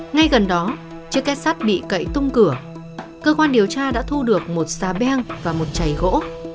ngay gần đó trước kết sát bị cậy tung cửa cơ quan điều tra đã thu được một xa beng và một chày gỗ